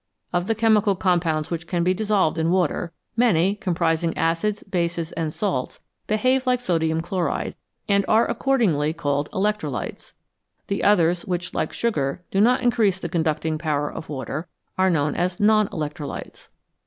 Of the chemical compounds which can be dissolved in water, many, comprising acids, bases, and salts, behave like sodium chloride, and are accordingly called " electrolytes "; the others, which, like sugar, do not increase the conducting power of water, are known as "non electrolytes."